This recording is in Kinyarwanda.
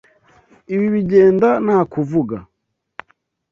Ibi bigenda nta kuvuga.